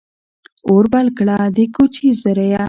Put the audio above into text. اور بل کړه ، د کوچي زریه !